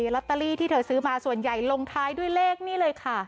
ลอตเตอรี่ที่เธอซื้อมาส่วนใหญ่ลงท้ายด้วยเลขนี่เลยค่ะ